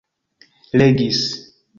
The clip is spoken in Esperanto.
legis